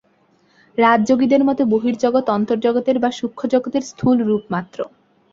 রাজযোগীদের মতে বহির্জগৎ অন্তর্জগতের বা সূক্ষ্মজগতের স্থূল রূপ মাত্র।